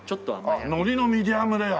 海苔のミディアムレア。